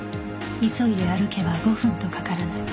急いで歩けば５分とかからない